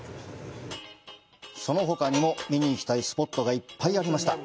そのほかにも見に行きたいスポットがいっぱいありました。